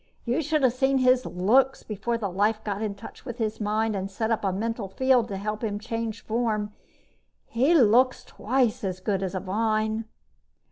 You should have seen his looks before the Life got in touch with his mind and set up a mental field to help him change form. He looks twice as good as a vine!"